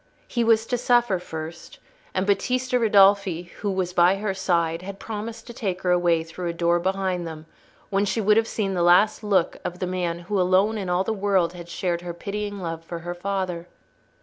He was to suffer first, and Battista Ridolfi, who was by her side, had promised to take her away through a door behind them when she would have seen the last look of the man who alone in all the world had shared her pitying love for her father.